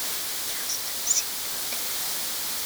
Just sit down.